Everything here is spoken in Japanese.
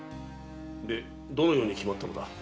でどのように決まったのだ？